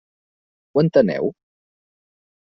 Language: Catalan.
Ho enteneu?